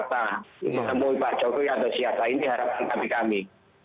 untuk menemui pak jokowi atau siapa ini harapan kami